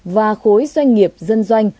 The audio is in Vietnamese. và khối doanh nghiệp dân doanh